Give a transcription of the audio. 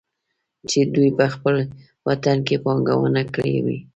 چې دوي په خپل وطن کې پانګونه کړى وى.